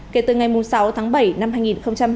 kể từ ngày sáu tháng bảy năm hai nghìn hai mươi